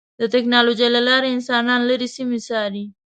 د ټکنالوجۍ له لارې انسانان لرې سیمې څاري.